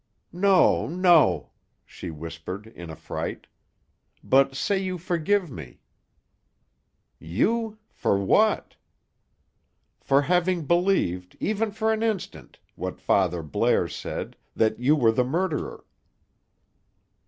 "No, no!" she whispered, in affright. "But say you forgive me." "You! For what?" "For having believed, even for an instant, what Father Blair said, that you were the murderer."